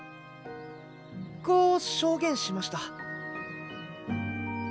こう証言しました。